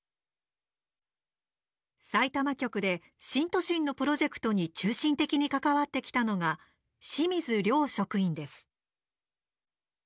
さいたま局で新都心のプロジェクトに中心的に関わってきたのが清水亮職員です。